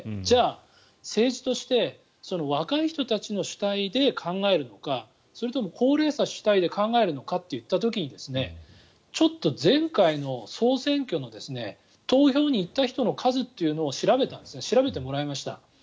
じゃあ、政治として若い人たちの主体で考えるのかそれとも高齢者主体で考えるのかといった時にちょっと前回の総選挙の投票に行った人の数というのを調べてもらいました。